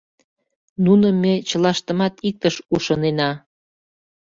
Нуным ме чылаштымат иктыш ушынена.